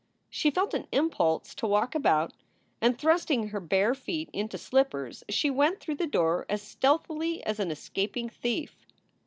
She felt an impulse to walk about, and, thrusting her bare feet into slippers, she went through the door as stealthily as an escaping thief.